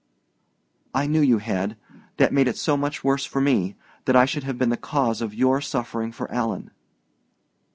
"I knew you had. That made it so much worse for me that I should have been the cause of your suffering for Alan!"